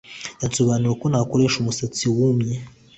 Yansobanuriye uko nakoresha umusatsi wumye